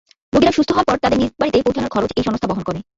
রোগীরা সুস্থ হওয়ার পর তাদের নিজ বাড়িতে পৌঁছানোর খরচ এই সংস্থা বহন করে।